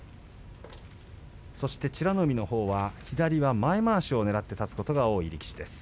美ノ海のほうは左が前まわしをねらって立つことが多い力士です。